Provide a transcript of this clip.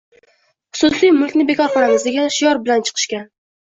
«xususiy mulkni bekor qilamiz» degan shior bilan chiqishgan.